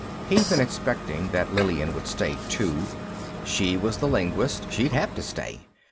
He'd been expecting that Lillian would stay, too. She was the linguist; she'd have to stay.